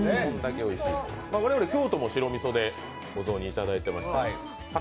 我々京都も、白みそでお雑煮いただいていますが。